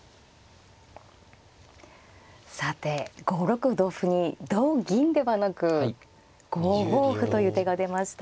さて５六歩同歩に同銀ではなく５五歩という手が出ました。